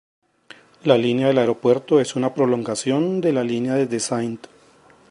La línea del aeropuerto es una prolongación de la línea desde St.